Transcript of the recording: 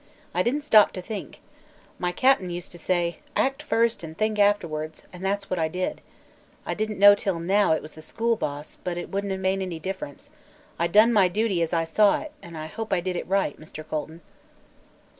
I didn't stop to think. My Cap'n used to say 'Act first an' think afterwards,' an' that's what I did. I didn't know till now it was the school boss, but it wouldn't have made any difference. I done my duty as I saw it, an' I hope I did it right, Mr. Colton."